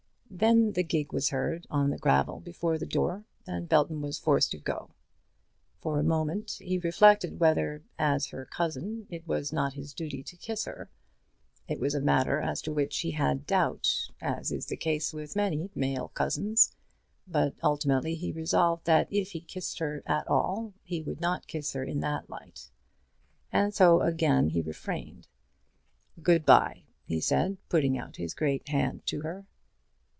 Then the gig was heard on the gravel before the door, and Belton was forced to go. For a moment he reflected whether, as her cousin, it was not his duty to kiss her. It was a matter as to which he had doubt, as is the case with many male cousins; but ultimately he resolved that if he kissed her at all he would not kiss her in that light, and so he again refrained. "Good bye," he said, putting out his great hand to her.